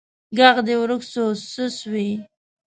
ږغ دي ورک سو څه سوي